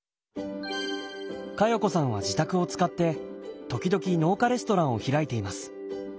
加代子さんは自宅を使って時々農家レストランを開いています。